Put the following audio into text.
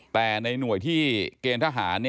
แต่ในหน่วยที่เกณฑ์ทหาร